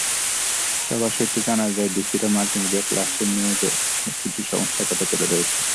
সভাসূত্রে জানা যায়, ডিসিরা multimedia classroom নিয়েও কিছু সমস্যার কথা তুলে ধরেছেন।